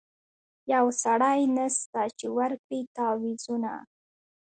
یو سړی نسته چي ورکړي تعویذونه